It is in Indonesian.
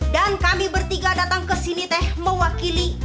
dan kami bertiga datang kesini teh mewakili